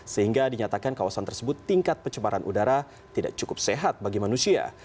sehingga dinyatakan kawasan tersebut tingkat pencemaran udara tidak cukup sehat bagi manusia